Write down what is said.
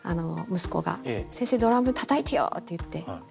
息子が「先生ドラムたたいてよ！」って言って。